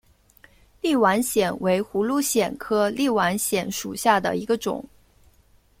立碗藓为葫芦藓科立碗藓属下的一个种。